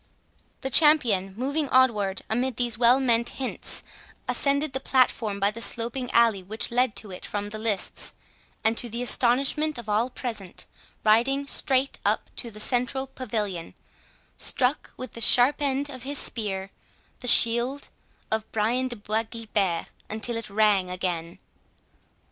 The champion, moving onward amid these well meant hints, ascended the platform by the sloping alley which led to it from the lists, and, to the astonishment of all present, riding straight up to the central pavilion, struck with the sharp end of his spear the shield of Brian de Bois Guilbert until it rung again.